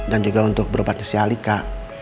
dan juga untuk berubah di sialika